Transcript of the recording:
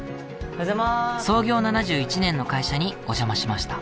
創業７１年の会社にお邪魔しました。